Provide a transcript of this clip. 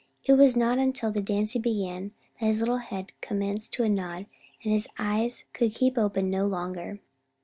It was not until the dancing began that his little head commenced to nod and his eyes could keep open no longer.